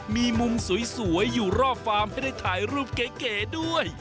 มีมุมสวยอยู่รอบฟาร์มให้ได้ถ่ายรูปเก๋ด้วย